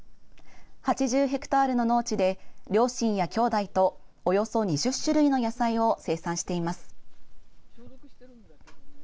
８０ヘクタールの農地で両親やきょうだいとおよそ２０種類の野菜を生産しています。